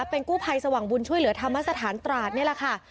เป็นกู้ภัยสว่างบุญช่วยเหลือธรรมสถานตราดนี่แหละค่ะ